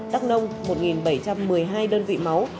đắk nông một bảy trăm một mươi hai đơn vị máu